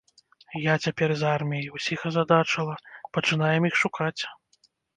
Я цяпер з арміяй, усіх азадачыла, пачынаем іх шукаць.